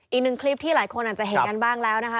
อีกหนึ่งคลิปที่หลายคนอาจจะเห็นกันบ้างแล้วนะคะ